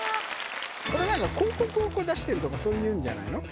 これ何か広告を出してるとかそういうんじゃないの？